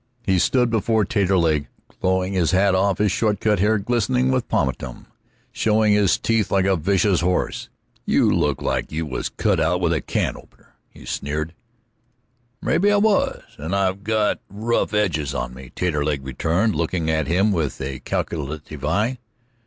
He stood before Taterleg glowing, his hat off, his short cut hair glistening with pomatum, showing his teeth like a vicious horse. "You look like you was cut out with a can opener," he sneered. "Maybe I was, and I've got rough edges on me," Taterleg returned, looking up at him with calculative eye.